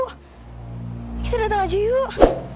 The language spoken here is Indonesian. kita datang aja yuk